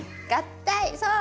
そう！